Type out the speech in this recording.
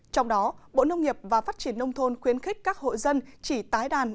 trong đó bộ nông nghiệp và phát triển nông thôn khuyến khích các hộ dân chỉ tái đàn